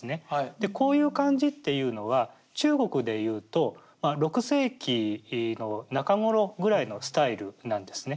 でこういう感じっていうのは中国でいうと６世紀の中頃ぐらいのスタイルなんですね。